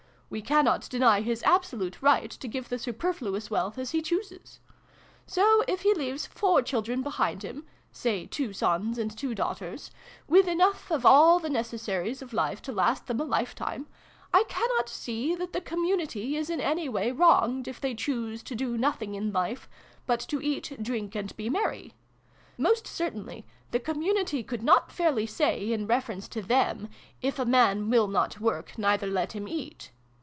We cannot deny his absolute right to give the superfluous wealth as he chooses. So, if he leaves four children behind him (say two sons and two daughters), with enough of all the necessaries of life to last them a life time, I cannot see that the community is in any way wronged if they choose to do nothing in life but to ' eat, drink, and be merry.' Most certainly, the community could not fairly say, in reference to them, ' if a man will not work, neither let htm eat."